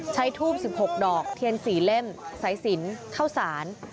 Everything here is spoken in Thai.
ใช้ทูปสิบหกดอกเทียนสี่เล่มสายสินเข้าสาร